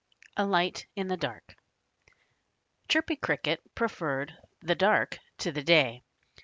V A LIGHT IN THE DARK Chirpy Cricket preferred the dark to the day.